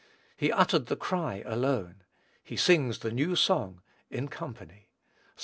He uttered the cry alone; he sings the "new song" in company. (Ps.